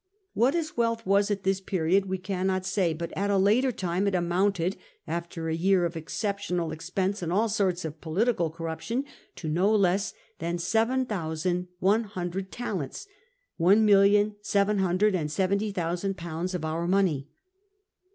What his wealth was at this period we cannot say, but at a later time it amounted — after a year of exceptional expense in all sorts of political corruption — to no less than seven thousand one hundred talents — one million seven hundred and seventy thousand pounds of our money.